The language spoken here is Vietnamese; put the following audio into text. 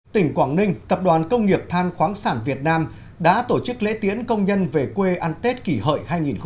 tỉnh quảng ninh tập đoàn công nghiệp than khoáng sản việt nam đã tổ chức lễ tiễn công nhân về quê ăn tết kỷ hợi hai nghìn một mươi chín